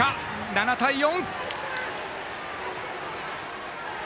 ７対４！